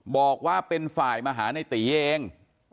บอกว่าเป็นฝ่ายมาหาในตีเอง